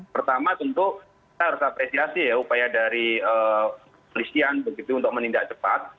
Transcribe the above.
pertama tentu kita harus apresiasi ya upaya dari polisian begitu untuk menindak cepat